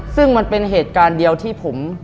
ซึ่งมันเป็นเหตุการณ์เดียวที่ผม